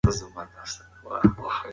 مالدار هم ځانګړی ژوند لري.